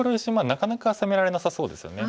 なかなか攻められなさそうですよね。